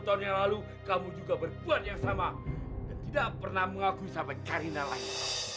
dua puluh tahun yang lalu kamu juga berkuat yang sama dan tidak pernah mengakui sampai karina lahir